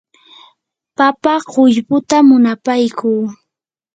papa qullputa munapaykuu.